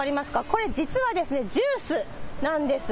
これ、実はですね、ジュースなんです。